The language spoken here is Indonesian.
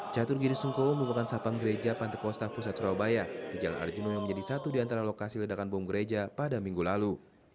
catur giri sungkowo merupakan sapam gereja pantekosta pusat surabaya di jalan arjuna yang menjadi satu di antara lokasi ledakan bom gereja pada minggu lalu